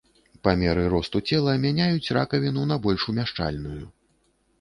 Па меры росту цела мяняюць ракавіну на больш умяшчальную.